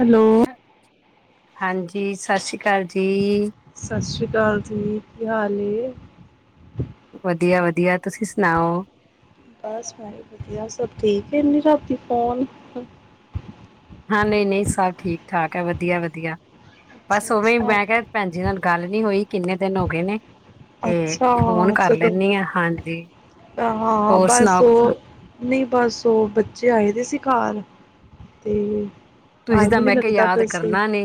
Hello ਹਾਂਜੀ-ਸਾਸੀ ਕਾਲ ਜੀ, ਸਤਿ ਸ੍ਰੀ ਕਾਲ ਜੀ। ਕੀ ਹਾਲ ਏ? ਵਧੀਆ, ਵਧੀਆ। ਤੁਸੀਂ ਸੁਣਾਓ? ਬਸ ਮੈਂ ਬੀ ਵਧੀਆ। ਸਭ ਠੀਕ ਐ? ਇੰਨੀ ਰਾਤੀ ਫੋਨ! ਹਾਂ ਨਈ, ਨਈ ਸਭ ਠੀਕ- ਠਾਕ ਐ ਵਧੀਆ, ਵਧੀਆ। ਬਸ ਅੱਛਾ ਉਵੇਂ। ਅੱਛਾ ਮੈਂ ਕਿਹਾ ਭੈਣਜੀ ਨਾਲ ਗੱਲ ਨੀ ਹੋਈ। ਕਿੰਨੇ ਦਿਨ ਹੋ ਗਏ ਨੇ ਤੇ ਅੱਛਾ! ਫੋਨ ਹਾਂ ਕਰ ਚਲੋ, ਲੈਂਦੀ ਆ ਹਾਂਜੀ ਹਾਂ ਹੋਰ ਬਸ ਸੁਣਾਓ ਓ ਨਈ, ਬਸ ਓ ਬ ਚੇ ਆਏ ਦੇ ਸੀ ਕਾਲ। ਤੇ, ਤੁਸੀਂ ਤਾਂ ਟਾਈਮ ਨੀ ਮੈਂ ਕਿਹਾ ਲੱਗਦਾ ਯਾਦ ਪਿਆ ਸੀ। ਕਰਨਾ ਨੇ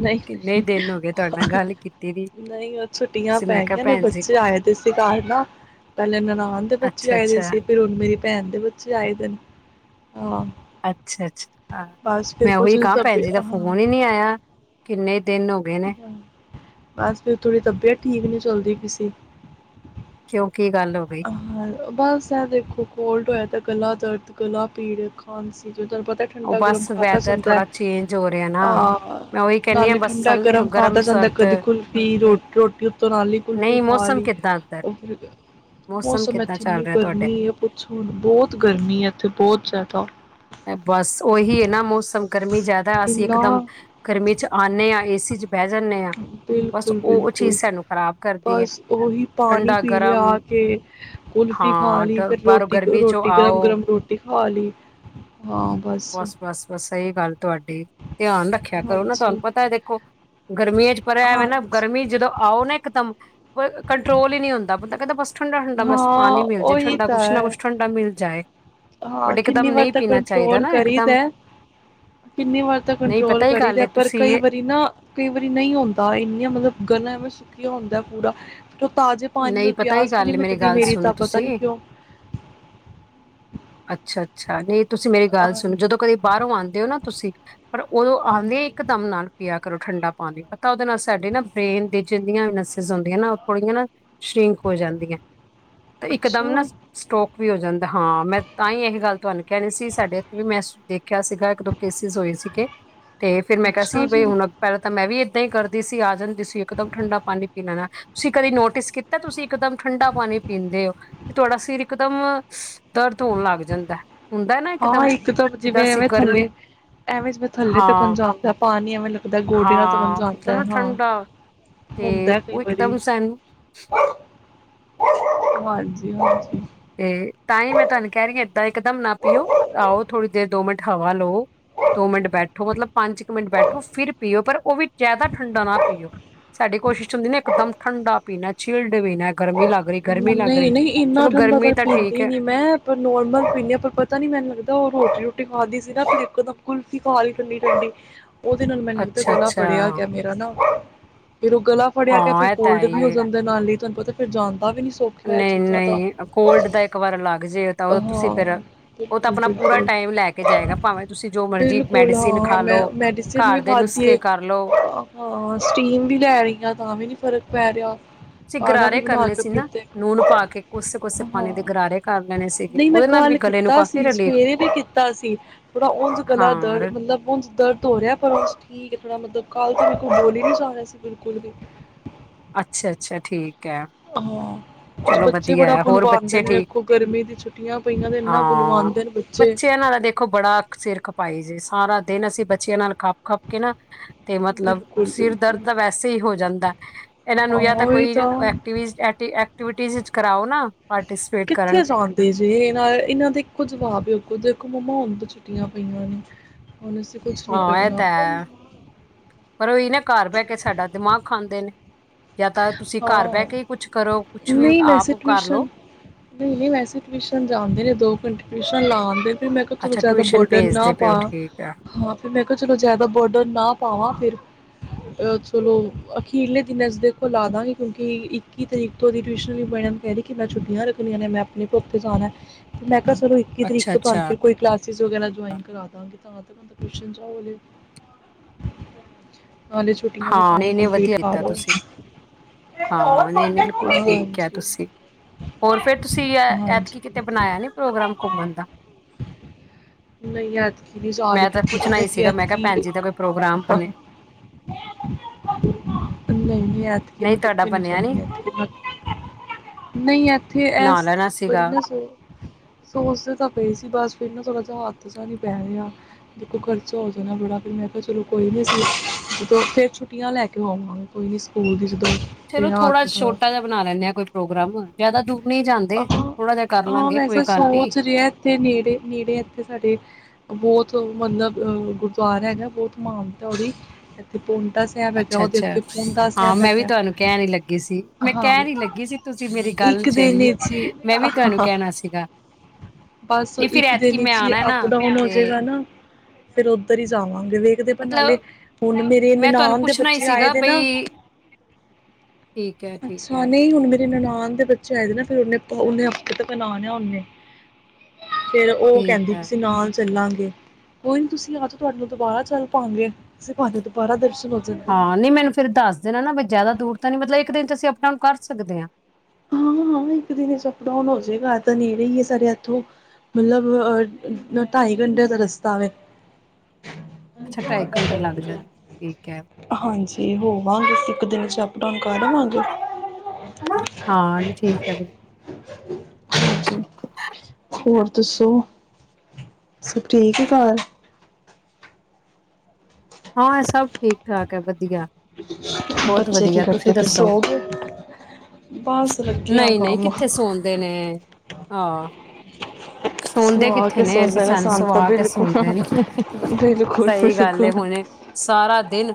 ਨਹੀਂ, ਕਿੰਨੇ ਹੀ ਦਿਨ ਹੋ ਗਏ ਤੁਹਾਡੇ ਨਾਲ ਨਹੀਂ, ਗੱਲ ਕੀਤੀ ਦੀ ਨਈ ਓ ਛੁੱਟੀਆਂ ਤੁਸੀਂ ਮੈਂ ਪੈ ਕਿਹਾ ਗਈਆਂ ਨੇ ਭੈਣ ਜੀ ਬੱਚੇ ਆਏ ਦੇ ਸੀ। ਘਰ ਨਾ ਪਹਿਲੇ ਨਨਾਣ ਦੇ ਬੱਚੇ ਅੱਛਾ ਆਏ ਦੇ ਅੱਛਾ ਸੀ ਫਿਰ ਹੁਣ ਮੇਰੀ ਭੈਣ ਦੇ ਬੱਚੇ ਆਏ ਦਿਨ ਹਾਂ ਅੱਛਾ, ਅੱਛਾ ਹਾਂ। ਬਸ ਫਿਰ ਮੈਂ ਕੁਛ ਓਹੀ ਕਹਾਂ ਭੈਣ ਤਬੀ ਜੀ ਦਾ ਫੋਨ ਈ ਹਾਂ ਨੀ ਆਇਆ। ਕਿੰਨੇ? ਦਿਨ ਹੋ ਗਏ ਨੇ ਬਸ ਫੇਰ ਥੋੜੀ ਤਬੀਅਤ ਠੀਕ ਨੀ ਚੱਲਦੀ ਪਈ ਸੀ। [inaudible] ਕਿਉ? ਹਹ ਬਸ ਐ ਦੇਖੋ, ਕੋਲਡ ਹੋਇਆ ਤੇ ਗਲਾ ਦਰਦ, ਗਲਾ ਪੀੜ, ਖਾਂਸੀ ਜਵੇ ਤੁਹਾਨੂੰ ਪਤਾ ਉਹ ਠੰਡਾ ਗਰਮ ਬਸ ਖਾਦਾ ਵੈਦਰ ਜਾਂਦਾ ਥੋੜਾ ਚੇਂਜ ਹੋ ਰਿਹਾ ਨਾ ਆ, ਮੈਂ ਉਹੀ ਕਹਿੰਦੀ ਹਾਂ ਨਾਲੇ ਬਸ ਠੰਡਾ, ਗਰਮ ਖਾਦਾ ਜਾਂਦਾ ਸਰਦ ਕਦੀ ਕੁਲਫੀ, ਰੋ ਰੋਟੀ ਉੱਤੋਂ ਮ, ਨਾਲੀ ਕੁਲਫੀ ਨਹੀਂ ਖਾ ਮੌਸਮ ਲਈ ਕਿੱਦਾਂ ਅੰਦਰ ਓ ਫਿਰ ਮੌਸਮ ਕਿੱਦਾਂ ਇੱਥੇ ਚੱਲ ਇੰਨੀ ਰਿਹਾ ਤੁਹਾਡੇ ਗਰਮੀ ਐ, ਪੁੱਛੋ ਨਾ ਬੋਤ ਗਰਮੀ ਐ, ਇੱਥੇ ਬੋਤ ਜਾਦਾ ਤੋ [unintelligible] ਬਸ ਓਹੀ ਏ, ਨਾ, ਮੌਸਮ ਗਰਮੀ ਜਾਦਾ‌ ਅਸੀਂ ਇੰਨਾ ਇਕਦਮ ਗਰਮੀ'ਚ ਆਨੇ ਏ ਸ [unintelligible] ਬਿਲਕੁੱਲ, ਬਿਲਕੁੱਲ। ਸਾਨੂੰ ਖ਼ਰਾਬ ਕਰਦੀ ਹੈ ਬਸ ਓਹੀ ਪਾਣੀ ਠੰਡਾ ਪੀ ਲਿਆ ਗਰਮ ਆ ਕੇ, ਕੁਲਫੀ ਖਾ ਹਾਂ ਲਈ, ਡ ਫਿਰ ਬਾਹਰੋਂ ਗਰਮੀ ਚੋਂ ਰੋਟੀ-ਰੋਟੀ ਗਰਮ- ਆਓ ਗਰਮ ਰੋਟੀ ਖਾ ਲਈ। ਹਾਂ, ਬੱਸ। ਸਈ ਗੱਲ ਤੁਹਾਡੇ ਧਿਆਨ ਰੱਖਿਆ ਕਰੋ ਨਾ। ਤੁਹਾਨੂੰ ਹਾਂਜੀ ਪਤਾ ਐ, ਦੇਖੋ ਗਰਮੀਆਂ'ਚ ਪਰ ਐਵੇ ਨਾ, ਹਾਂਜੀ ਗਰਮੀ ਜਦੋਂ ਆਓ ਨਾ ਇਕਦਮ ਕੰਟਰੋਲ ਈ ਨੀ ਹੁੰਦਾ, ਬੰਦਾ ਕਹਿੰਦਾ ਬਸ ਠੰਡਾ-ਠੰਡਾ। ਮ ਬਸ ਹਾਂ ਪਾਣੀ ਮਿਲ ਜੇ, ਉਹੀ ਠੰਡਾ। ਤਾਂ ਕੁੱਛ ਨਾ, ਹੈ ਕੁੱਛ ਠੰਡਾ ਮਿਲ ਜਾਏ। ਹਾਂ, ਬਟ ਕਿੰਨੀ ਇਕਦਮ ਵਾਰ ਨਹੀਂ ਤੱਕ ਪੀਣਾ ਚਾਹੀਦਾ ਕੰਟਰੋਲ ਨਾ ਇਕਦਮ ਕਰੀਦਾ, ਕਿੰਨੀ ਵਾਰ ਤੱਕ ਨਹੀਂ ਕੰਟਰੋਲ ਪਤਾ ਹੀ ਕਰੀ ਗੱਲ ਹੈ ਦੇ, ਪਰ ਕਈ ਤੁਸੀਂ ਵਰੀ ਨਾ, ਕਈ ਵਰੀ ਨਈ ਹੁੰਦਾ। ਇੰਨੀਆਂ ਮਤਲਬ ਗਲਾਂ ਵਿੱਚ ਸੁਕਿਆ ਹੁੰਦਾ ਪੂਰਾ ਤਾਜ਼ੇ ਪਾਣੀ ਨਾਲ ਨਹੀਂ ਪਤਾ ਹੀ ਪਿਆਸ ਵੀ, ਨੀ, ਗੱਲ ਮਿਟਦੀ ਗੱਲ ਮੇਰੀ ਸੁਣੋ ਤਾਂ'ਪਤਾ ਤੁਸੀਂ ਨੀ ਕਿਉਂ। ਅੱਛਾ-ਅੱਛਾ ਨਈ ਤੁਸੀਂ ਮੇਰੀ ਗੱਲ ਹਾਂ, ਸੁਣ ਜਦੋਂ ਕਦੇ ਬਾਹਰੋਂ ਆਉਂ ਦਿਓ ਨਾ, ਤੁਸੀਂ। ਪਰ ਉਦੋਂ, ਆਉਂਦੇਆ ਈ ਹਾਂਜੀ ਇੱਕ ਦਮ ਨਾੰਗ ਗਿਆ। ਕਰੋ ਠੰਡਾ ਪਾਣੀ, ਪਤਾ। ਉਹਦੇ ਨਾਲ, ਸਾਡੀ ਨਾ, ਬ੍ਰੇਨ ਦੀ'ਚ ਜਿੰਨੀਆਂ ਵੀ ਨਸਜ਼ ਹੁੰਦੀਆਂ ਨਾ, ਉਹ ਥੋੜੀਆਂ ਨਾ ਸ਼੍ਰਿੰਕ ਹੋ ਜਾਂਦੀਆਂ ਤੇ ਇਕਦਮ ਨਾ ਅੱਛਾ ਸਟੋਕ ਵੀ ਹੋ ਜਾਂਦਾ ਹਾਂ, ਮੈਂ ਤਾਂ ਹੀ, ਇਹ ਗੱਲ ਤੁਹਾਨੂੰ ਕਹਿਣੀ ਸੀ। ਸਾਡੇ ਇੱਥੇ ਵੀ ਮੈਂ ਦੇਖ ਦੇਖਿਆ ਸੀਗਾ ਇੱਕ ਦੋ ਕੇਸਿਸ ਹੋਏ ਸੀਗੇ, ਤੇ, ਫੇਰ ਮੈਂ ਕਿਹਾ ਅੱਛਾ ਸੀ ਬਈ ਜੀ ਹੁਣ ਪਹਿਲਾਂ ਤਾਂ, ਮੈਂ, ਵੀ ਤੇ ਕਰਦੀ ਸੀ। ਆ ਜਾਂਦੀ ਤੁਸੀਂ ਇੱਕਦਮ ਠੰਡਾ ਪਾਣੀ -ਪੀਣਾ ਨਾ, ਤੁਸੀਂ ਕਦੇ ਨੋਟਿਸ ਕੀਤਾ, ਤੁਸੀਂ ਇਕਦਮ ਠੰਡਾ ਪਾਣੀ ਪੀਂਦੇ ਹੋ, ਤੇ, ਤੁਹਾਡਾ ਸਿਰ ਇੱਕ ਦਮ ਹਾਂ, ਇੱਕ ਤਾਂ ਜਿੱਦਾਂ ਜਿਵੇਂ ਅਸੀਂ ਐਵੇਂ ਗਰਮੀ ਥੱਲੇ ਐਵੇਂ ਜਿਵੇਂ ਥੱਲੇ ਤੱਕਣ ਹਾਂ ਜਾਂਉਦਾ, ਪਾਣੀ ਐਵੇਂ ਲੱਗਦਾ ਗੋਡਿਆਂ ਤੋਂਕਣ ਹਾਂ ਮਤਲਬ ਜਾਦਾ ਨਾ ਹਾਂ ਠੰਡਾ ਤੇ ਹੁੰਦਾ ਕਈ ਉਹ ਵਾਰੀ ਇਕਦਮ ਸਾਨੂੰ ਹਾਂਜੀ-ਹਾਂਜੀ। ਤੇ ਤਾਂ ਹੀ ਮੈਂ ਤੁਹਾਨੂੰ ਕਹਿ ਰਹੀ ਹਾਂ, ਏਦਾਂ ਇੱਕ ਦਮ ਨਾ ਪੀਓ, ਆਓ ਥੋੜ੍ਹੀ ਦੇਰ ਦੋ ਮਿੰਟ ਹਵਾ ਲਓ, ਦੋ ਮਿੰਟ ਬੈਠੋ ਮਤਲਬ ਪੰਜ ਕੁ ਮਿੰਟ ਬੈਠੋ, ਫਿਰ ਪੀਓ ਪਰ ਉਹ ਵੀ ਜ਼ਿਆਦਾ ਠੰਡਾ ਨਾ ਪੀਓ। ਸਾਡੀ ਕੋਸ਼ਿਸ਼ 'ਚ ਹੁੰਦੀ ਨਾ, ਇਕ ਇੱਕਦਮ ਠੰਡਾ ਪੀਣੈ ਚਿਲਡ ਪੀਣੈ ਗਰਮੀ ਲੱਗ ਰਹੀ ਗਰਮੀ ਲੱਗ ਰਹੀ ਚਲੋ। ਠੰਢਾ ਤਾਂ ਗਰਮੀ ਠੀਕ ਪੀਂਦੀ ਹੈ ਨੀਂ ਮੈਂ ਪਰ ਨੋਰਮਲ ਪੀਂਣੀ ਆਂ ਪਰ ਪਤਾ ਨੀਂ ਮੈਨੂੰ ਲੱਗਦਾ ਉਹ ਰੋਟੀ ਰੂ ਰਟੀ ਖਾਧੀ ਸੀ ਨਾ ਫਿਰ ਇੱਕੋਦਮ ਕੁਲਫੀ ਖਾ ਲੀ ਠੰਡੀ ਠੰਡੀ। ਉਹਦੇ ਨਾਲ ਮੈਨੂੰ ਲਗਦੈ ਅੱਛਾ ਗਲਾ ਅੱਛਾ ਫੜਿਆ ਗਿਆ ਮੇਰਾ ਨਾਂ ਫਿਰ ਉਹ ਗਲਾ ਫੜਿਆ ਗਿਆ ਫੇਰ ਹਾਂ ਇਹ ਤਾਂ ਹੈ ਕੋਲਡ ਵੀ ਹੀ ਹੋ ਹੈ ਜਾਂਦੈ ਨਾਲ ਈ। ਤੁਹਾਨੂੰ ਪਤਾ ਫਿਰ ਜਾਣ ਦਾ ਵੀ ਨੀ ਸੌਖਾ ਇਹ ਨਹੀਂ ਚੀਜ਼ਾਂ ਦਾ ਨਹੀਂ ਕੋਲਡ ਦਾ ਇੱਕ ਵਾਰ ਲੱਗ ਜੇ ਤਾਂ ਉਹ [unintelligible] ਤੁਸੀਂ ਹਾਂ ਫਿਰ ਉਹ ਤਾਂ ਬਿਲਕੁਲ ਆਪਣਾ ਪੂਰਾ ਬਿਲਕੁਲ ਟਾਈਮ ਲੈ ਕੇ ਜਾਏਗਾ ਭਾਵੇਂ ਤੁਸੀਂ ਜੋ ਮਰਜ਼ੀ ਬਿਲਕੁਲ ਮੈਡੀਸਿਨ ਹਾਂ ਖਾ ਮੈਂ ਲਓ ਮੈਡੀਸਿਨ ਵੀ ਘਰ ਦੇ ਖਾਧੀ ਏ ਨੁਸਖੇ ਕਰ ਲਓ ਹਾਂ ਸਟੀਮ ਵੀ ਲੈ ਰਹੀ ਆਂ ਤਾਂ ਵੀ ਨੀਂ ਫ਼ਰਕ ਪੈ ਰਿਆ। ਸੀ ਗਰਾਰੇ ਕਰਨੇ ਸੀ। [unintelligible] ਨਾ ਨੂਨ ਪਾ ਕੇ ਕੋਸੇ-ਕੋਸੇ ਪਾਣੀ ਹਾਂ ਦੇ ਗਰਾਰੇ ਕਰ ਲੈਣੇ ਸੀਗੇ ਨਹੀਂ ਮੈਂ ਉਹਦੇ ਨਾਲ ਵੀ ਕੱਲ ਗਲੇ ਨੂੰ ਕੀਤਾ ਕਾਫ਼ੀ ਸੀ ਰਿਲੀਫ ਸਵੇਰੇ ਵੀ ਕੀਤਾ ਸੀ। ਥੋੜਾ ਉਝ ਗਲਾ ਦਰਦ ਹਾਂ ਮਤਲਬ ਉਝ ਦਰਦ ਹੋ ਰਿਹੈ ਪਰ ਉਂਝ ਠੀਕ ਐ ਥੋੜਾ ਮਤਲਬ ਕੱਲ ਤੇ ਮੇਰੇ ਕੋਲ ਬੋਲਿ ਈ ਨੀਂ ਜਾ ਰਿਹਾ ਸੀ ਬਿਲਕੁਲ ਵੀ ਅੱਛਾ ਅੱਛਾ ਠੀਕ। ਹੈ ਹਾਂ। ਕੁਛ ਚਲੋ ਬੱਚੇ ਵਧੀਆ ਬੜਾ ਐ ਹੋਰ ਬੁਲਵਾਉਂਦੇ ਬੱਚੇ ਨੇ ਠੀਕ। ਦੇਖੋ ਗਰਮੀ ਦੀ ਛੁੱਟੀਆਂ ਪਈਆਂ ਤੇ ਇੰਨਾ ਹਾਂ ਬੁਲਵਾਉਂਦੇ ਨੇ ਬੱਚੇ ਇਹਨਾਂ ਦਾ ਦੇਖੋ ਬੜਾ ਸਿਰ ਖਪਾਈ ਜੇ ਸਾਰਾ ਦਿਨ ਅਸੀਂ ਬੱਚਿਆਂ ਨਾਲ ਖੱਪ ਖੱਪ ਕੇ ਨਾਂ ਤੇ ਮਤਲਬ ਬਿਲਕੁਲ ਸਿਰ ਦਰਦ ਬਿਲਕੁਲ ਤਾਂ ਵੈਸੇ ਈ ਹੋ ਜਾਂਦੈ, ਇਹਨਾਂ ਹਾਂ ਨੂੰ ਜਾਂ ਤਾਂ ਉਹੀ ਕੋਈ ਐਕਟੀਵੀਜ਼ ਐਕਟੀ ਐਕ ਐਕਟੀਵਿਟੀਜ਼ ਵਿੱਚ ਕਰਾਓ ਨਾ ਕਿੱਥੇ ਕਰਨ ਜਾਂਦੇ ਜੇ ਇਹਨਾਂ ਇਹਨਾਂ ਦੇ ਇਕੋ ਜਵਾਬ ਏ ਅਗੋਂ ਜੇ ਦੇਖੋ ਮੰਮਾ ਉਦ ਛੁਟੀਆਂ ਪਈਆਂ ਨੇਂ। ਹੁਣ ਅਸੀ ਕੁਛ ਨਹੀਂ ਹਾਂ ਇਹ ਕਰਨਾ। ਤਾਂ ਹੈ ਪਰ ਉਹੀ ਨਾ ਘਰ ਬਹਿ ਕੇ ਸਾਡਾ ਦਿਮਾਗ ਖਾਂਦੇ ਨੇਂ। ਹਾਂ, ਕੁਛ ਵੀ ਨਈਂ ਵੈਸੇ ਆਪ ਕਰ ਲਓ ਟਊਸ਼ਨ, ਨਈਂ ਨਈਂ ਵੈਸੇ ਟਊਸ਼ਨ ਜਾਂਦੇ ਨੇਂ ਦੋ ਘੰਟੇ ਟਿਊਸ਼ਨ ਲਾਂ ਦੇ ਫਿਰ ਮੈਂ ਕਿਹਾ ਚਲੋ ਅੱਛਾ ਜ਼ਦਾ ਟਿਊਸ਼ਨ ਬਰਡਨ ਨਾ ਭੇਜਦੇ ਪਏ ਹੋ ਪਵਾਂ ਠੀਕ ਆ। ਹਾਂ ਫਿਰ ਮੈਂ ਕਿਹਾ ਚਲੋ ਜ਼ਦਾ ਬਰਡਨ ਨਾ ਪਾਵਾਂ ਫਿਰ ਅਹ, ਚਲੋ ਅਖੀਰਲੇ ਦਿਨ ਦੇਖੋ ਲਾ ਕਿਉਂਕਿ ਇੱਕੀ ਤਰੀਕ ਤੋਂ ਉਹਦੀ ਟਿਊਸ਼ਨ ਦੀ ਮੈਡਮ ਕੈਹ ਰੀ ਕਿ ਮੈਂ ਛੁੱਟੀਆਂ ਰੱਖਣੀਆਂ ਨੇਂ, ਮੈਂ ਆਪਣੇ ਪੁੁੱਖ ਤੇ ਜਾਣਾ ਤੇ ਮੈਂ ਚਲੋ ਇੱਕੀ ਤਰੀਕ ਅੱਛਾ ਤੋਂ ਤੁਹਾਨੂੰ ਅੱਛਾ। ਫਿਰ ਕੋਈ ਕਲਾਸਿਸ ਵਗੈਰਾ ਜੁਆਇਨ ਕਰਾ ਦਾਂਗੇ ਤਾਂ ਟੂਸ਼ਨ ਜਾਨਗੇ। ਨਾਲੇ ਛੁੱਟੀਆਂ ਦਾ ਹਾਂ ਕੰਮ ਨਹੀਂ ਨਹੀਂ ਕੰਪਲੀਟ ਵਧੀਆ ਕੀਤਾ ਕਰੋ। ਤੁਸੀਂ ਹਾਂ, ਨਈਂ ਬਿਲਕੁਲ ਠੀਕ ਕਿਆ ਤੁਸੀਂ ਹੋਰ ਫਿਰ ਤੁਸੀਂ ਹਾਂਜੀ ਐਤਕੀਂ ਕਿਤੇ ਬਣਾਇਆ ਨੀਂ ਬਿਲਕੁਲ ਪ੍ਰੋਗਰਾਮ ਘੁੰਮਣ ਦਾ। ਨਹੀਂ ਐਤਕੀ ਨਹੀਂ ਜਾ ਰਹੀ ਮੈਂ ਤਾਂ ਕਿੱਥੇ ਪੁੱਛਣਾ ਪਤਾ ਹੀ ਕੀ ਸੀਗਾ ਮੈਂ ਕਿਹਾ ਐਤਕੀ ਭੈਣ ਜੀ ਦਾ ਕੋਈ ਪ੍ਰੋਗਰਾਮ ਬਣੇ। [inaudible] ਨਈਂ ਨਈਂ ਐਤਕੀ ਨਹੀਂ ਮੈਂ ਤੁਹਾਡਾ ਕਿੱਥੇ ਨੀਂ ਬਣਿਆ ਨੀ ਚਲੀ ਐਤਕੀਂ, [unintelligible] ਨਈਂ ਇੱਥੇ ਬਣਾ ਇਸ ਲੈਣਾ ਵਾਰੀ ਸੀਗਾ ਨਾਂ ਸੋ, ਸੋਚਦੇ ਤਾਂ ਪਏ ਸੀ ਬਸ ਫਿਰ ਨਾਂ ਹੱਥ ਚ ਨੀ ਪੈ ਰਿਹਾ ਦੇਖੋ ਖਰਚਾ ਹੋ ਜਾਣਾ ਬੜਾ ਫਿਰ ਮੈਂ ਕਿਹਾ ਚਲੋ ਕੋਈ ਨੀ ਅਸੀਂ ਜਦੋਂ ਫੇਰ ਛੁੱਟੀਆਂ ਲੈ ਕੇ ਆਵਾਂਗੇ ਕੋਈ ਨੀ ਸਕੂਲ ਦੀ [unintelligible] ਚਲੋ ਥੋੜਾ ਹੱਥ ਥੋੜ੍ਹਾ ਛੋਟਾ ਜਹਾ ਬਣਾ ਲੈਂਦੇ ਆਾਂ ਕੋਈ ਪ੍ਰੋਗਰਾਮ ਜਿਆਦਾ ਦੂਰ ਨਹੀਂ ਜਾਂਦਾ ਹਹ ਹਾਂ ਵੈਸਾ ਸੋਚ ਰਿਹਾ ਇੱਥੇ ਨੇੜੇ ਨੇੜੇ ਇੱਥੇ ਸਾਡੇ ਬਹੁਤ ਮਤਲਬ ਗੁਰਦੁਆਰਾ ਹੈਗਾ ਬਹੁਤ ਮਾਨਤਾ ਉਹਦੀ ਇੱਥੇ ਪਹੁੰਚ ਅੱਛਾ ਅੱਛਾ ਹਾਂ ਮੈਂ ਵੀ ਹੈਗਾ ਤੁਹਾਨੂੰ ਕਹਿਣ ਨੀ ਲੱਗੀ ਸੀ ਮੈਂ ਹਾਂ ਕਹਿਣ ਨੀ ਲੱਗੀ ਸੀ ਤੁਸੀਂ ਮੇਰੀ ਗੱਲ ਇੱਕ ਛੀਂਨ ਦਿਨ ਲੀ ਬਸ ਨਹੀਂ ਫਿਰ ਇੱਕ ਐਤਕੀ ਦਿਨ ਮੈਂ ਚ ਆਣਾ ਨਾ ਅਪ ਡਾਊਨ ਤੇ ਹੋਜਏਗਾ ਨਾ ਫੇਰ ਉੱਧਰ ਹੀ ਜਾਵਾਂਗੇ ਵੇੇਖ ਦੇ ਪਰ ਨਾਲੇ ਮਤਲਬ ਹੁਣ ਮੇਰੇ ਮੈਂ ਤੁਹਾਨੂੰ ਨਨਾਾਨ ਦੇ ਪੁੱਛਣਾ ਹੀ ਬੱਚੇ ਆਏ ਸੀਗਾ ਦੇ ਨਾ ਬਈ ਠੀਕ ਹੈ ਠੀਕ ਅੱਛਾ ਹੈ ਨਹੀਂ ਹੁਣ ਮੇਰੇ ਨਨਾਾਨ ਬੱਚੇ ਆਏਦੇ ਨੇ ਫਿਰ ਉਹਨੇ ਉਹਨੇ ਆਪੇ ਤੱਕਨ ਲਾਣਾ ਹੈ ਉਨ੍ਹੇਂ ਫੇਰ ਉਹ ਠੀਕ ਕਹਿੰਦੀ ਹੈ ਪਈ ਸੀ ਨਾਲ ਚੱਲਾਂਗੇ ਕੋਈ ਨੀ ਤੁਸੀਂ ਆ ਤਾਂ ਤੁਹਾਡੇ ਨੂੰ ਦੁਬਾਰਾ ਚੱਲ ਪਾਵਗੇ ਅਸੀਂ ਤੁੇ ਦੁਬਾਰਾ ਦਰਸ਼ਨ ਹੋ ਜਾਣਗੇ ਹਾਂ ਨ ਮੈਨੂੰ ਫੇਰ ਦੱਸ ਦੇਣਾ ਨਾ ਬ ਜ਼ਿਆਦਾ ਦੂਰ ਤਾਂ ਨੀ ਮਤਲਬ ਇੱਕ ਦਿਨ ਚ ਅਸੀਂ ਅਪ, ਡਾੳਨ ਕਰ ਸਕਦੇ ਹਾਂ ਹਾਂ ਹਾਂ ਇੱਕ ਦਿਨ ਅਪਡਾਊਨ ਹੋ ਜਾੇਗਾ ਤਾਂ ਨਹੀਂ ਰ ਹੀ ਹੈ ਸਾਡੇ ਇੱਥੋਂ ਮਤਲਬ ਅਹ ਢਾਈ ਘੰਟਿਆਂ ਦਾ ਰਸਤਾ ਵ ਅੱਛਾ ਢਾਈ ਘੰਟੇ ਲੱਗ ਜਾਂਦੇ ਠੀਕ ਹੈ ਹਾਂਜੀ ਹੋਵਾਂਗੇ ਅਸੀਂ ਇੱਕ ਦਿਨ ਚ ਅਪ ਡਾਊਨ ਕਰ ਆਵਾਂਗੇ ਹਾਂ ਨਹੀਂ ਠੀਕ ਹੈ ਬਿਲਕੁਲ ਹਾਂਜੀ ਹੋਰ ਦੱਸੋ ਸਬ ਠੀਕ ਹੈ ਘਰ ਹਾਂ ਸਭ ਠੀਕ ਠਾਕ ਹੈ ਵਧੀਆ ਬਹੁਤ ਬੱਚੇ ਕੀ ਵਧੀਆ ਤੁਸੀਂ ਕਰਤੇ ਥੇ ਸੋ ਦੱਸੋ ਗਏ ਬਸ ਲੱਗੇ ਆ ਨਹੀਂ ਨਹੀਂ ਕੰਮ ਕਿੱਥੇ ਸੁਣਦੇ ਨੇ ਹਾਂ ਸੌਦੇ ਸੁਆ ਕਿੱਥੇ ਕੇ ਨੇ ਸੋਦੇ ਸਾਨੂੰ ਤਾਂ ਸੁਵਾ ਕੇ ਬਿਲਕੁਲ ਸੁਦੇ ਨੇ ਬਿਲਕੁਲ ਸਹੀ ਗੱਲ ਬਿਲਕੁਲ ਹੁਣੇ ਸਾਰਾ ਦਿਨ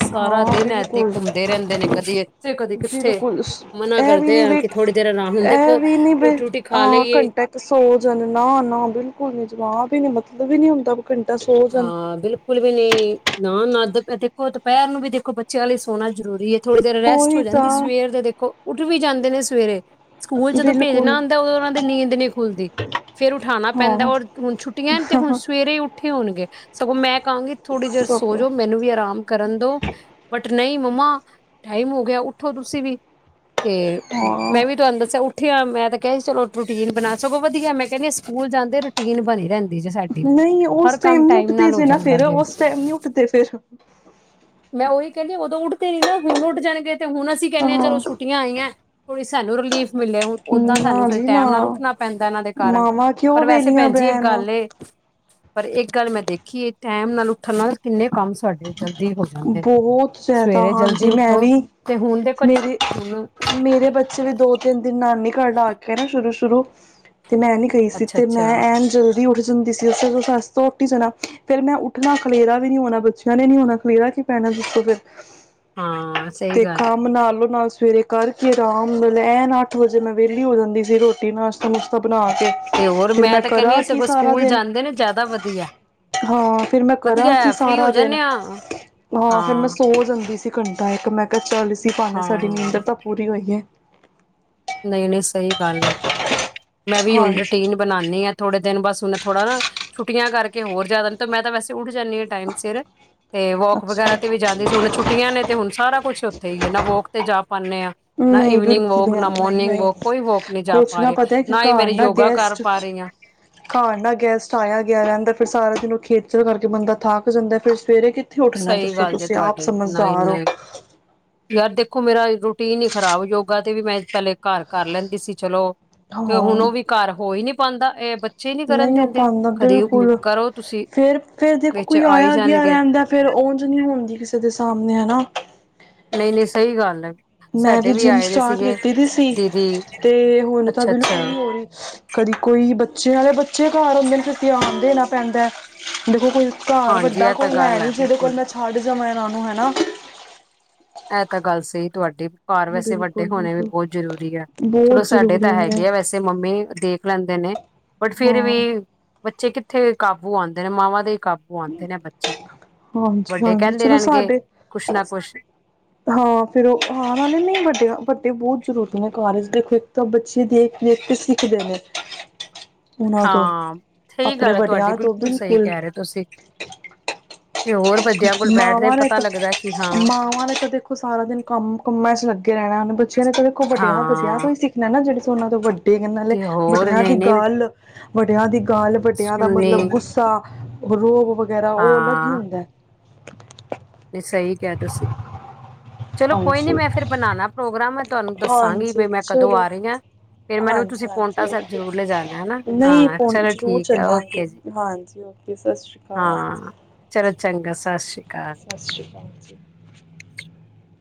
ਸਾਰਾ ਹਾਂ ਦਿਨ ਐਥੇ ਬਿਲਕੁਲ ਘੁੰਮਦੇ ਰਹਿੰਦੇ ਨੇ ਕਦੀ ਇੱਥੇ ਕਦੀ ਕਿੱਥੇ ਬਿਲਕੁਲ ਮਨਾ ਇਹ ਵੀ ਕਰਦੇ ਨੀ ਆ ਬਈ ਕਿ ਥੋੜ੍ਹੀ ਦੇਰ ਆਰਾਮ ਹੁਣ ਇਹ ਦੇਖੋ ਵੀ ਨੀ ਬਇ ਰੋਟੀ ਰੂਟੀ ਖਾ ਹਾਂ ਲਈਏ ਘੰਟਕ ਸੋਜਨ ਨਾ ਨਾ ਬਿਲਕੁਲ ਨੀ ਜਵਾਬ ਮਤਲਬ ਵੀ ਨੀ ਹੁੰਦਾ ਘੰਟਾ ਸੋ ਜਾਣ ਹਾਂ ਬਿਲਕੁਲ ਵੀ ਨਹੀਂ ਨਾ ਨਾ ਦਕ ਦੇਖੋ ਦੁਪਹਿਰ ਨੂੰ ਵੀ ਦੇਖੋ ਬੱਚਿਆਂ ਲਈ ਸੋਣਾ ਜ਼ਰੂਰੀ ਹੈ। ਥੋੜ੍ਹੀ ਦੇਰ ਰੈਸਟ ਹੋ ਉਹੀ ਜਾਂਦੀ ਤਾਂ ਸਵੇਰ ਦੇਖੋ ਉੱਠ ਵੀ ਜਾਂਦੇ ਨੇ ਸਵੇਰੇ ਸਕੂਲ ਜਦੋਂ ਬਿਲਕੁਲ ਭੇਜਣਾ ਹੁੰਦਾ ਉਦੋਂ ਉਹਨਾਂ ਦੀ ਨੀਂਦ ਨਹੀਂ ਖੁੱਲਦੀ ਫੇਰ ਉਠਾਉਣਾ ਪੈਂਦਾ ਹਾਂ ਔਰ ਹੁਣ ਛੁੱਟੀਆਂ ਤੇ ਹੁਣ ਸਵੇਰੇਹੀ ਹੀ ਹੋਣਗੇ ਸਗੋਂ ਮੈਂ ਕਹਾਂਗੀ ਥੋੜ੍ਹੀ ਦੇਰ ਸਭ ਸੋਜੋ ਮੈਨੂੰ ਵੀ ਆਰਾਮ ਕਰਨ ਦੋ ਬਟ ਨਹੀਂ ਮੰਮਮੀ ਹਾਂ ਟਾਈਮ ਹੋ ਗਿਆ ਉੱਠੋ ਤੁਸੀਂ ਵੀ ਤੇ ਹਾਂ ਮੈਂ ਵੀ ਤੁਹਾਨੂੰ ਦੱਸਿਆ ਉਠ ਉਠ ਮੈਂ ਤਾਂ ਕਿਹਾ ਸੀ ਚਲ ਰੂਟੀਨ ਬਣਾ ਸਗੋਂ ਵਧੀਆ ਮੈਂ ਕਹਿੰਦੀ ਸਕੂਲ ਜਾਂਦੇ ਰੂਟੀਨ ਬਣੀ ਰਹਿੰਦੀ। ਜੀ ਸਾਡੀ ਨਹੀਂ ਉਸ ਹਰ ਕੰਮ ਟਾਈਮ ਨੀ ਉੱਠਦੇ ਨਾਲ ਹੋ ਜੇ ਨਾ ਜਾਂਦਾ ਫੇਰ ਜੇ ਉਸ ਟਾਈਮ ਨੀ ਉੱਠਦੇ ਫਿਰ ਉੱਠ ਤੇ ਨ ਨਾ ਹੁਣ ਉੱਠ ਜਾਣਗੇ ਤੇ ਹੁਣ ਅਸੀਂ ਕਹਿੰਦੇ ਹਾਂ ਚਲੋ ਛੁੱਟੀਆਂ ਆਈਆਂ ਥੋੜ੍ਹੀ ਸਾਨੂੰ ਰਿਲੀਫ਼ ਮਿਲਿਆ ਹੁਣ ਓਦਾਂ ਸਾਨੂੰ ਨਾ ਫਿਰ ਜੀ ਨਾ ਟੈਮ ਨਾਲ ਉੱਠਣਾ ਪੈਂਦਾ ਇਹਨਾਂ ਦੇ ਕਾਰਨ ਮਾਵਾਂ ਕਿਉਂ ਪਰ ਵੈਸੇ ਵੇਲੀਆਂ ਭੈਣ ਜੀ ਇੱਕ ਬੈਣ ਗੱਲ ਪਰ ਇੱਕ ਗੱਲ ਮੈਂ ਦੇਖੀ ਇਹ ਟੈਮ ਨਾਲ ਉੱਠਣ ਨਾਲ ਕਿੰਨੇ ਕੰਮ ਸਾਡੇ ਜਲਦੀ ਹੋ ਜਾਂਦੇ ਨੇ ਬਹੁਤ ਜ਼ਿਆਦਾ ਸਵੇਰੇ ਜਲਦੀ ਹਾਂਜੀ ਮੈਂ ਉੱਠੋ ਵੀ ਤੇ ਹੁਣ ਦੇ ਕੁਛ ਮੇਰੇ ਹੁਣ ਮੇਰੇ ਬੱਚੇ ਵੀ ਦੋ ਤਿੰਨ ਦਿਨ ਨਾਨੀ ਘਰ ਆ ਕੇ ਨਾ ਸ਼ੁਰੂ ਸ਼ੁਰੂ ਤੇ ਮੈਂ ਨੀ ਗਈ ਸੀ ਅੱਛਾ ਤੇ ਅੱਛਾ ਮੈਂ ਐਨ ਜਲਦੀ ਉੱਠ ਜਾਂਦੀ ਸੀ ਉੱਠ ਹੀ ਜਾਣਾ ਫੇਰ ਮੈਂ ਉੱਠਣਾ ਖਲੇਰਾ ਵੀ ਨ ਨਹੀਂ ਹੋਣਾ ਬੱਚਿਆਂ ਨੇ ਨ ਨਹੀਂ ਹੋਣਾ ਮੇਰਾ ਕੀ ਪੈਣਾ ਇਸ ਤੋਂ ਫਿਰ ਹਾਂ ਸਹੀ ਗੱਲ ਦੇਖਾਂ ਮੈ ਨਾਲ ਦੀ ਨਾਲ ਸਵੇਰੇ ਕਰਕੇ ਆਰਾਮ ਨਾਲ ਲ ਐਣ ਅੱਠ ਵਜੇ ਮੈਂ ਵਿਹਲੀ ਹੋ ਜਾਂਦੀ ਸੀ ਰੋਟੀ ਨਾਸ਼ਤਾ ਨੂਸਤਾ ਤੇ ਹੋਰ ਮੈਂ ਤਾਂ ਕਹਿੰਦੀ ਹਾਂ ਸਗੋਂ ਸਾਰਾ ਸਕੂਲ ਦਿਨ ਜਾਂਦੇ ਨੇ ਜਿਆਦਾ ਵਧੀਆ ਹਾਂ ਫਿਰ ਮੈਂ ਕਰਾਂ ਕੀ ਵਧੀਆ ਫ੍ਰਰੀ ਹੋ ਸਾਰਾ ਦਿਨ ਜਾਂਦੇ ਹਾਂ। ਹਾਂ ਫੇਰ ਮੈਂ ਸੋ ਜਾਂਦੀ ਸੀ। ਘੰਟਾ ਇੱਕ ਮੈਂ ਬੱਚਾ ਹੁੰਦੀ ਸੀ ਪਾਵੇ ਸਾਡੀ ਹਾਂ ਨੀਂਦਰ ਤਾਂ ਪੂਰੀ ਹੋਈ ਹੈ। ਨਹੀਂ ਨਹੀਂ ਸਹੀ ਗੱਲ ਹੈ ਮੈਂ ਵੀ ਹੁਣ ਹਾਂਜੀ ਰੂਟੀਨ ਬਣਾਉਣੀ ਹਾਂ ਥੋੜੇ ਦਿਨ ਬਸ ਹੁਣ ਥੋੜ੍ਹਾ ਨਾ ਛੁੱਟੀਆਂ ਕਰਕੇ ਹੋਰ ਜ਼ਿਆਦਾ ਨੀ ਮੈਂ ਤੇ ਵੈਸੇ ਉੱਠ ਜਾਣੀ ਹਾਂ ਟਾਈਮ ਸਿਰ ਤੇ ਵੋਕ ਵਗੈਰਾ ਅੱਛਾ ਤੇ ਵੀ ਜਾਂਦੇ ਸੀ ਹੁਣ ਛੁੱਟੀਆਂ ਨੇ ਤੇ ਹੁਣ ਸਾਰਾ ਕੁੱਛ ਉੱਥੇ ਹੀ ਨਾ ਵੋਕ ਤੇ ਜਾ ਪਾਉਣੇ ਹਾਂ ਨਾ ਨਹੀਂ ਈਵਨਿੰਗ ਬਿਲਕੁਲ ਵੋਕ ਨਹੀਂ ਮੋਰਨਿੰਗ ਨਹੀਂ ਵੋਕ ਕੋਈ ਵੋਕ ਨਹੀਂ ਜਾ ਕੁਛ ਪਾ ਨਾ ਰਹੇ ਪਤਾ ਕਿ ਹੀ ਘਰ ਮੇਰੇ ਨਾ ਯੋਗਾ ਕਰ ਗੈਸਟ ਪਾ ਰਹੀ ਹਾਂ ਘਰ ਨਾ ਗੈਸਟ ਆਇਆ ਗਿਆ ਰਹਿੰਦਾ ਫਿਰ ਸਾਰਾ ਸਾਰਾ ਦਿਨ ਉਹ ਖੇਤਚਲ ਕਰਕੇ ਬੰਦਾ ਥੱਕ ਜਾਂਦਾ ਫਿਰ ਸਵੇਰੇ ਕਿੱਥੇ ਉੱਠਣਾ ਸਹੀ ਦੱਸੋ ਗੱਲ ਜੇ ਤੁਸੀਂ ਆਪ ਤੁਹਾਡੀ ਨਹੀਂ ਸਮਝਦਾਰ ਨਹੀਂ ਹੋ? ਯਾਰ ਦੇਖੋ ਮੇਰਾ ਰੂਟੀਨ ਹੀ ਖ਼ਰਾਬ ਯੋਗਾ ਤੇ ਵੀ ਮੈਂ ਪਹਿਲੇ ਘਰ ਕਰ ਲੈਂਦੀ ਸੀ ਚਲੋ। ਤੇ ਹੁਣ ਹਾਂ ਉਹ ਵੀ ਘਰ ਹੋਈ ਨੀ। ਪਾਉਂਦਾ ਇਹ ਬੱਚੇ। ਹੀ ਕਰਨ ਨਹੀਂ ਉਹ ਦਿੰਦੇ ਪਾਉਂਦਾ ਕਦੀ ਬਿਲਕੁਲ ਕਰੋ ਤੁਸੀਂ ਫੇਰ ਫੇਰ ਦੇਖੋ ਵਿੱਚ ਕੋਈ ਆਈ ਆਇਆ ਗਿਆ ਜਾਣਗੇ ਰਹਿੰਦਾ ਫੇਰ ਉਝ ਨਹੀਂ ਹੁੰਦੀ ਕਿਸੇ ਦੇ ਸਾਹਮਣੇ ਹਨਾ। ਨਹੀਂ ਨਹੀਂ ਸਹੀ ਗੱਲ ਹੈ। ਮੈਂ ਵੀ ਸਾਡੇ ਜਿੰਮ ਆਏ ਦੇ ਸਟਾਰਟ ਸੀਗੇ ਕੀਤੀ ਦੀ ਸੀ ਦੀਦੀ ਤੇ ਹੁਣ ਤਾਂ ਅੱਛਾ ਅੱਛਾ ਬਿਲਕੁਲ ਨਹੀਂ ਹੋ ਰਹੀ ਕਦੀ ਕੋਈ ਬੱਚਿਆਂ ਵਾਲੇ ਬੱਚੇ। ਬੱਚੇ ਘਰ ਹੁੰਦੇ ਨੇ ਤੁਸੀ ਆਦੇ ਨਾ? ਪੈਂਦਾ ਦੇਖੋ, ਕੋਈ? ਘਰ ਹਾਂਜੀ ਵੱਡਾ ਇਹ ਤਾਂ ਕੋਈ ਹੈ ਗੱਲ ਨੀ ਜਿਹਦੇ ਕੋਲ ਬਿਲਕੁਲ ਮੈਂ ਛੱਡ ਜਾਵਾਂ। ਨੂੰ ਹਨਾ। ਇਹ ਤਾਂ ਗੱਲ ਸਹੀ ਤੁਹਾਡੀ। ਘਰ ਵੈਸੇ ਵੱਡੇ ਬਿਲਕੁਲ ਹੋਣੇ ਵੀ ਬਿਲਕੁਲ ਬਹੁਤ ਜ਼ਰੂਰੀ ਆ ਚਲੋ ਬਹੁਤ ਸਾਡੇ ਤਾਂ ਜ਼ਰੂਰੀ ਨੇ ਹੈਗੇ ਆ ਵੈਸੇ ਮੰਮੀ ਦੇਖ ਲੈਂਦੇ ਨੇ ਬਟ ਫੇਰ ਵੀ ਹਾਂ ਬੱਚੇ ਕਿੱਥੇ। ਇੱਥੇ ਕਾਬੂ ਆਦੇ ਨੇ ਮਾਵਾਂ ਦੇ? ਕਾਬੂ ਆਦੇ ਨੇ ਬੱਚੇ ਹਾਂਜੀ ਵੱਡੇ ਹਾਂਜੀ ਕਹਿੰਦੇ ਚਲੋ ਰਹਿਣਗੇ ਸਾਡੇ ਕੁਛ ਨਾ ਕੁਛ। ਹਾਂ ਫੇਰ ਉਹ ਆ ਨਾਲੇ ਨਹੀਂ ਵੱਡੇ-ਵੱਡੇ ਬਹੁਤ ਜ਼ਰੂਰੀ ਨੇ ਕਾਲਜ ਦੇ ਵਿੱਚ ਤਾਂ ਬੱਚੇ ਦੇਖ ਦੇਖ ਕੇ ਸਿੱਖਦੇ ਨੇ। ਉਹਨਾਂ ਤੋਂ ਹਾਂ ਸਹੀ ਆਪਣੇ ਗੱਲ ਹੈ ਤੁਹਾਡੀ ਵੱਡਿਆਂ ਤੋਂ ਬਿਲਕੁਲ ਸਹੀ ਕਹਿ ਰਹੇ ਹੋ ਤੁਸੀਂ? ਤੇ ਹੋਰ ਬੱਚਿਆਂ ਕੋਲ ਬੈਠਦੇ ਮਾਵਾਂ ਨੇ ਪਤਾ ਤਾਂ ਲੱਗਦਾ ਕਿ ਹਾਂ ਮਾਵਾਂ ਨੇ ਤਾਂ ਦੇਖੋ ਸਾਰਾ ਦਿਨ ਕੰਮ ਕੰਮਾਂ ਚ ਲੱਗੇ ਰਹਿਣਾ ਹਨ ਬੱਚਿਆਂ ਨੇ ਤਾਂ ਦੇਖੋ ਵੱਡਿਆ-ਵੱਡਿਆ ਹਾਂ ਤੋਂ ਹੀ ਸਿੱਖਣਾ ਨਾ ਜਿਹੜੇ। ਉਹਨਾਂ ਤੋਂ ਵੱਡੀ। ਏ ਨਾਲੇ ਤੇ ਹੋਰ ਵੱਡੀਆਂ ਦੀ ਨਹੀਂ ਨਹੀਂ ਗੱਲ। ਵੱਡਿਆ ਦੀ। ਗਾਲ ਵੱਡਿਆਂ ਦਾ ਮਤਲਬ ਸੁਣਨੀ ਗੁੱਸਾ। ਔ ਰੋਲ। ਵਗੈਰਾ ਉਹ ਅਲੱਗ ਹੀ ਹਾਂ ਹੁੰਦਾ ਹੈ। ਸਹੀ ਕਿਹਾ ਤੁਸੀਂ। ਚਲੋ ਕੋਈ ਨੀ ਹਾਂਜੀ ਮੈਂ ਫਿਰ ਬਣਾਣਾ ਪ੍ਰੋਗਰਾਮ ਮੈ ਤੁਹਾਨੂੰ ਦੱਸਾਂਗੀ ਹਾਂਜੀ ਵੀ ਮੈਂ ਕਦੋਂ ਆ ਚਲੋ ਰਹੀ ਹਾਂ। ਫਿਰ ਮੈਨੂੰ ਤੁਸੀਂ ਹਾਂਜੀ ਪੋਟਾ ਹਾਂਜੀ ਸਾਹਿਬ ਓਕੇ ਜ਼ਰੂਰ ਲਿਜਾਣਾ ਹੈ ਨਹੀਂ ਹਾਂ ਪਹੁੰ ਚਲੋ ਜ਼ਰੂਰ ਠੀਕ ਹੈ ਚੱਲਾਂਗੇ ਓਕੇ ਜੀ। ਹਾਂਜੀ, ਸਤਿ ਸ਼੍ਰੀ ਅਕਾਲ ਹਾਂ ਚਲੋ ਚੰਗਾ। ਸਤਿ ਸ਼੍ਰੀ ਅਕਾਲ ਸਤਿ ਸ਼੍ਰੀ ਅਕਾਲ ਜੀ।